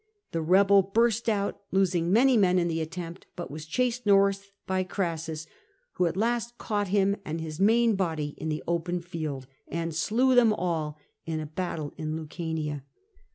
The rebel burst out, losing many men in the attempt, but was chased north by Crassus, who at last caught him and his main body in the open field, and slew them all in a battle in Lucania.